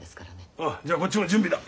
ああじゃあこっちも準備だ。